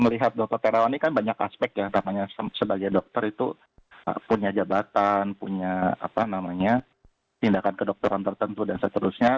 melihat dokter terawan ini kan banyak aspek ya namanya sebagai dokter itu punya jabatan punya tindakan kedokteran tertentu dan seterusnya